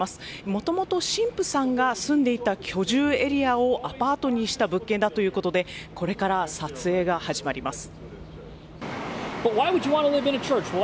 もともと神父さんが住んでいた居住エリアをアパートにした物件だということでこれから撮影が始まります。